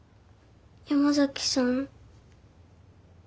山崎さん。